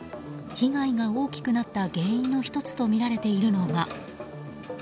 被害が大きくなった原因の１つとみられているのが。